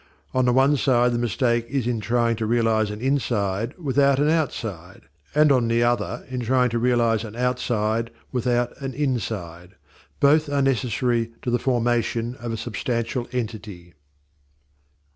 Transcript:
On the one side the mistake is in trying to realize an inside without an outside, and on the other in trying to realize an outside without an inside; both are necessary to the formation of a substantial entity.